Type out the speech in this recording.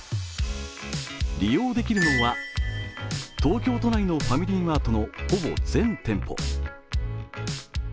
利用できるのは、東京都内のファミリーマートのほぼ全店舗。